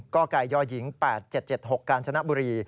๑กย๘๗๗๖กาญชนะบุรี